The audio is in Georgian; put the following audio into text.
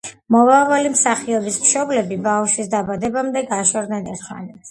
მომავალი მსახიობის მშობლები ბავშვის დაბადებამდე გაშორდნენ ერთმანეთს.